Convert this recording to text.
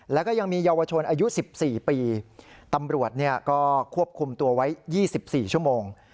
แล้วก็ยังมีเยาวชนอายุสิบสี่ปีตำรวจเนี้ยก็ควบคุมตัวไว้ยี่สิบสี่ชั่วโมง